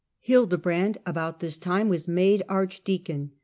Hildebrand about this time was made archdeacon.